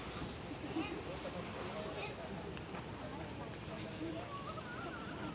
สวัสดีครับทุกคน